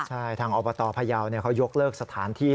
ใช่ทางอบตพยาวเขายกเลิกสถานที่